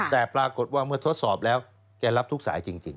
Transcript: แต่ปรากฏว่าเมื่อทดสอบแล้วแกรับทุกสายจริง